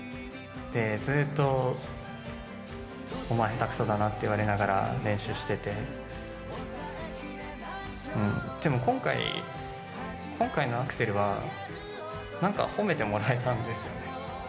ずっと、お前、下手くそだなって言われながら練習してて、でも今回、今回のアクセルは、なんか褒めてもらえたんですよね。